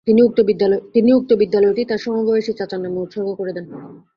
তিনি উক্ত বিদ্যালয়টি তার সমবয়সী চাচার নামে উৎসর্গ করে দেন।